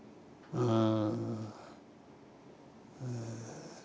うん。